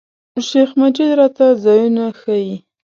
شیخ مجید راته ځایونه ښیي.